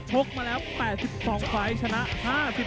ชกมาแล้ว๘๒ไฟล์ชนะ๕๗ไฟล์